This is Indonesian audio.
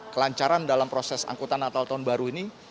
kelancaran dalam proses angkutan natal tahun baru ini